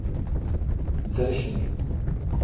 درشنیک